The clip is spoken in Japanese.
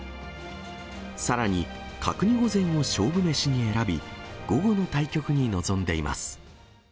さらに角煮御膳を勝負メシに選び、午後の対局に臨んでいます。